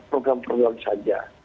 program perjuang saja